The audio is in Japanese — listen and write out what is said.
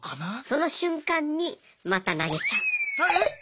その瞬間にまた投げちゃう。